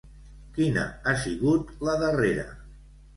Quina ha sigut la darrera?